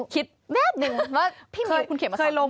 คิดแบบนึงว่าพี่มิวคุณเขียนมาสักครั้ง